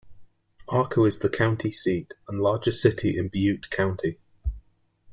Arco is the county seat and largest city in Butte County.